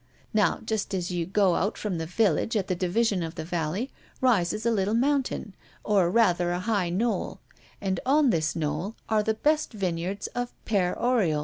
Now, just as you go out from the village at the division of the valley, rises a little mountain, or rather a high knoll, and on this knoll are the best vineyards of Père Oriol.